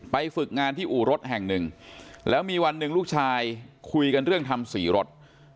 ฝึกงานที่อู่รถแห่งหนึ่งแล้วมีวันหนึ่งลูกชายคุยกันเรื่องทำสีรถ